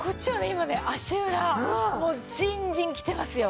今ね足裏もうジンジンきてますよ。